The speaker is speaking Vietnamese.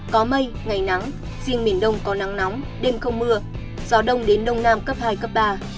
có mây ngày nắng riêng miền đông có nắng nóng đêm không mưa gió đông đến đông nam cấp hai cấp ba